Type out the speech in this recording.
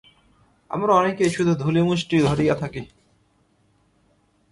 আমরা অনেকেই শুধু ধূলিমুষ্টি ধরিয়া থাকি।